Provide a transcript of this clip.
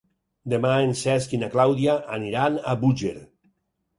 Demà en Cesc i na Clàudia aniran a Búger.